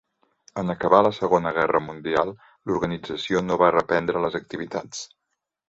En acabar la Segona Guerra Mundial, l'organització no va reprendre les activitats.